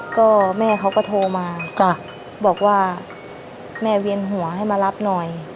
ก็แม่เขาก็โทรมาบอกว่าแม่เวียนหัวให้มารับหน่อย